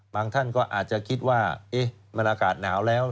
ท่านก็อาจจะคิดว่ามันอากาศหนาวแล้ว